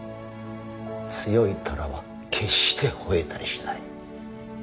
強い虎は決してほえたりしない。